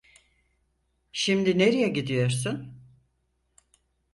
Şimdi nereye gidiyorsun?